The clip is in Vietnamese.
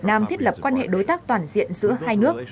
việt nam thiết lập quan hệ đối tác toàn diện giữa hai nước